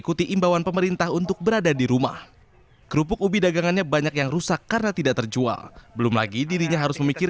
sudah tidak punya sawah sudah tidak punya suami